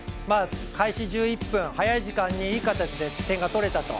開始１１分、早い時間にいい形で点が取れたと。